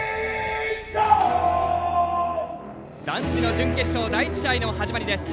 男子の準決勝第１試合の始まりです。